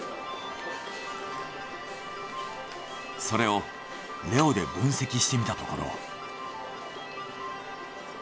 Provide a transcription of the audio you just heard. それをレオで分析してみたところ。